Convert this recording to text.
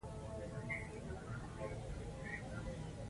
هغه په سیاسي ډګر کې ډېرې لوړې څوکې ترلاسه کړې.